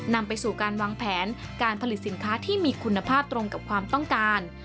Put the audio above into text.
นำไปสู่การวางแผนการผลิตสินค้าที่มีคุณภาพตรงกับความต้องการ